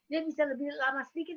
dia bisa lebih lama sedikit